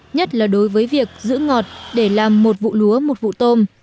nhất là đối với việc giữ ngọt để làm một vụ lúa một vụ tôm